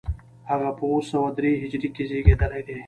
هغه په اوه سوه درې هجري کې زېږېدلی دی.